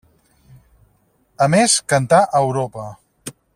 A més cantà a Europa.